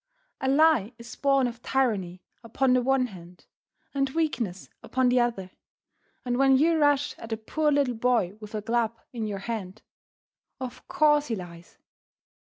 A lie is born of tyranny upon the one hand and weakness upon the other, and when you rush at a poor little boy with a club in your hand, of course he lies.